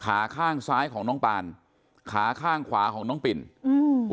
ขาข้างซ้ายของน้องปานขาข้างขวาของน้องปิ่นอืม